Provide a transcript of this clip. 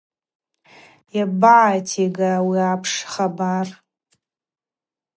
Йабагӏатига ауи апш хабар.